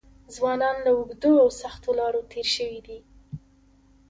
ځوانان له اوږدو او سختو لارو تېر شوي دي.